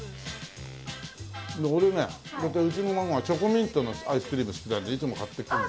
俺ねうちの孫がチョコミントのアイスクリーム好きなんでいつも買ってくるの。